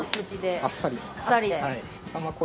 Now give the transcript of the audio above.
あっさり。